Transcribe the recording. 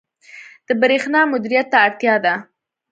• د برېښنا مدیریت ته اړتیا ده.